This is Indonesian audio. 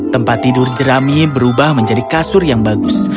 tempat tidur jerami berubah menjadi kasur yang bagus